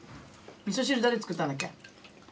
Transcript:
みそ汁誰作ったんだっけ？